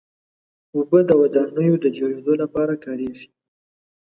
اوبه د ودانیو د جوړېدو لپاره کارېږي.